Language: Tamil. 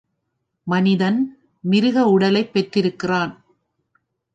மனிதன் மிருக உடலைப் பெற்றிருக்கிறான்.